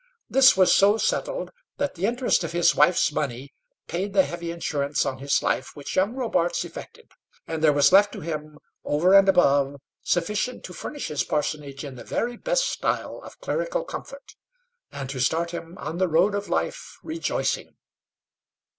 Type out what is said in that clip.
This was so settled, that the interest of his wife's money paid the heavy insurance on his life which young Robarts effected, and there was left to him, over and above, sufficient to furnish his parsonage in the very best style of clerical comfort, and to start him on the road of life rejoicing.